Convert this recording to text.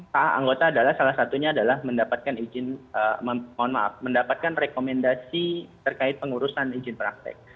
hak hak anggota adalah salah satunya adalah mendapatkan rekomendasi terkait pengurusan izin praktek